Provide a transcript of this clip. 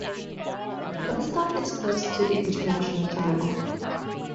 The bus stop is close to the international terminal.